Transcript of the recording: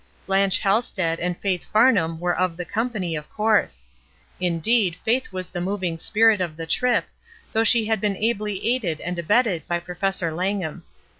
Blanche Halsted and Faith Farnham were of the company, of course; indeed. Faith was the moving spirit of the trip, though she had been ably aided and abetted by Professor Langham.